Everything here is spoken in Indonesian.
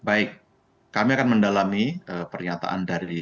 baik kami akan mendalami pernyataan dari